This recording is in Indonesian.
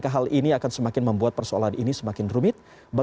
halo selamat malam pak harif